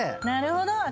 なるほど！